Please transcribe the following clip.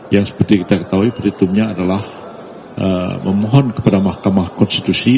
yang seperti kita ketahui perhitungnya adalah memohon kepada mahkamah konstitusi